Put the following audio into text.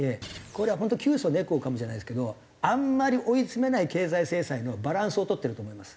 これは本当「窮鼠猫を噛む」じゃないですけどあんまり追い詰めない経済制裁のバランスを取ってると思います。